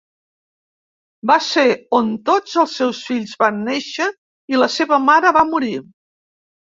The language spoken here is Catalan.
Va ser on tots els seus fills van néixer i la seva mare va morir.